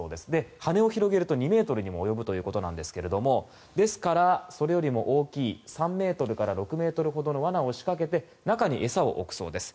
羽を広げると２ｍにも及ぶということですがですから、それよりも大きい３ｍから６ｍほどの罠を仕掛けて中に餌を置くそうです。